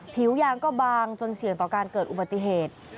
ผิวยางก็บางจนเสี่ยงต่อการเกิดอุบัติเหตุ